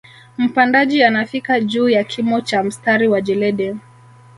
Mpandaji anafika juu ya kimo cha mstari wa jeledi